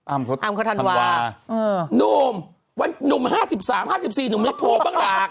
อัมอัมคธันวานุ่มนุ่ม๕๓๕๔๕๕๕๔